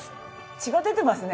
血が出てますね。